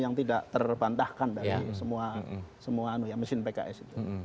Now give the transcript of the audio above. yang tidak terbantahkan dari semua mesin pks itu